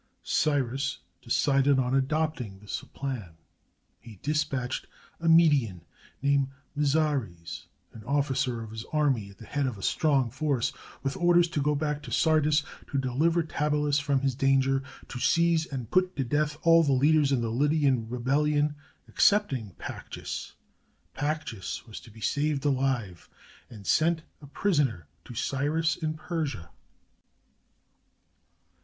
Cyrus decided on adopting this plan. He dispatched a Median named Mazares, an officer of his army, at the head of a strong force, with orders to go back to Sardis, to deliver Tabalus from his danger, to seize and put to death all the leaders in the Lydian rebellion excepting Pactyas. Pactyas was to be saved alive, and sent a prisoner to Cyrus in Persia.